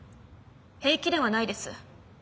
平気ではないです。